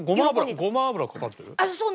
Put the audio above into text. これごま油かかってる？